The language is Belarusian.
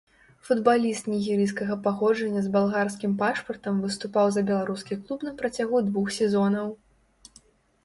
Футбаліст нігерыйскага паходжання з балгарскім пашпартам выступаў за беларускі клуб на працягу двух сезонаў.